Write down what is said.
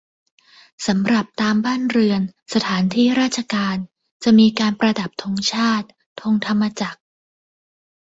สำหรับตามบ้านเรือน สถานที่ราชการ จะมีการประดับธงชาติ ธงธรรมจักร